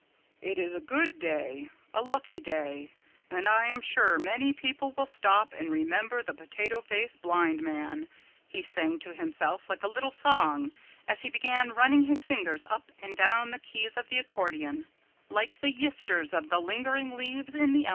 "It is a good day, a lucky day, and I am sure many people will stop and remember the Potato Face Blind Man," he sang to himself like a little song as he began running his fingers up and down the keys of the accordion like the yisters of the lingering leaves in the elm trees.